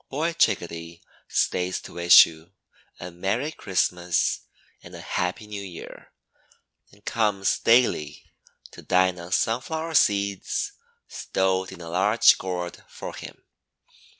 Boy Chickadee stays to wish you "A Merry Christmas" and "A Happy New Year," and comes daily to dine on sunflower seeds stowed in a large gourd for him.